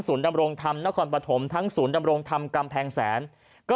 ดำรงธรรมนครปฐมทั้งศูนย์ดำรงธรรมกำแพงแสนก็